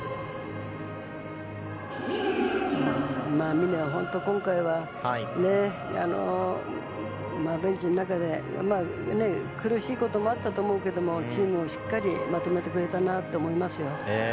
峰は本当、今回はベンチの中で苦しいこともあったと思うけどもチームをしっかりまとめてくれたなと思いますよ。